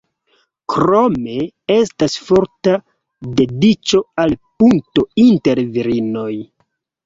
Krome estas forta dediĉo al punto inter virinoj.